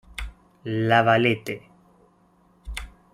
La Valette